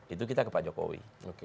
itu kita kepada jokowi